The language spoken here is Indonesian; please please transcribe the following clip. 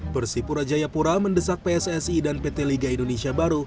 persipura jayapura mendesak pssi dan pt liga indonesia baru